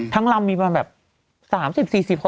ทั้งลำมีมาแบบ๓๐๔๐คน